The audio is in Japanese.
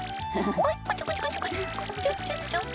はいこちょこちょこちょこちょ！